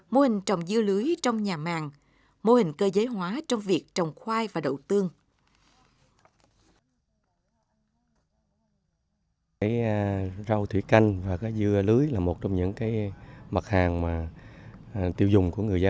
mô hình trồng dưa lưới trong nhà màng mô hình cơ giới hóa trong việc trồng khoai và đầu tư